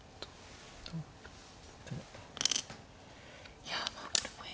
いやまあこれも変。